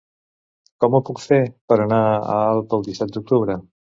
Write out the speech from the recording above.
Com ho puc fer per anar a Alp el disset d'octubre?